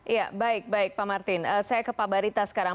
ya baik baik pak martin saya ke pak barita sekarang